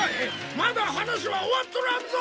まだ話は終わっとらんぞ！